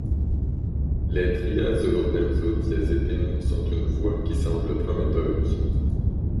Les triazolobenzodiazépines sont une voie qui semble prometteuse.